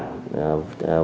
để lộ cái bản